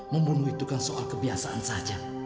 membunuh itu kan soal kebiasaan saja